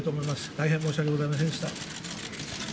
大変申し訳ございませんでした。